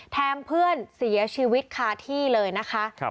แทงเพื่อนเสียชีวิตคาที่เลยนะคะ